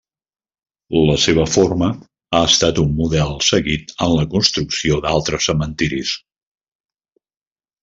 La seva forma ha estat un model seguit en la construcció d'altres cementiris.